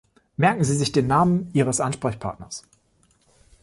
Merken Sie sich den Namen Ihres Ansprechpartners.